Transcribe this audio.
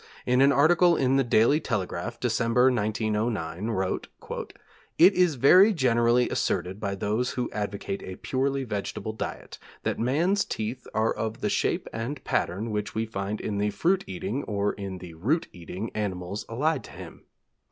in an article in The Daily Telegraph, December, 1909, wrote: 'It is very generally asserted by those who advocate a purely vegetable diet that man's teeth are of the shape and pattern which we find in the fruit eating, or in the root eating, animals allied to him.